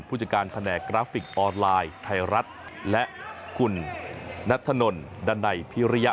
ผู้จัดการแผนกกราฟิกออนไลน์ไทยรัฐและคุณนัทธนลดันไนพิริยะ